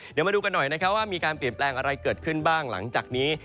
เดี๋ยวมาดูกันหน่อยนะครับว่ามีการเปลี่ยนแปลงอะไรเกิดขึ้นบ้างหลังจากนี้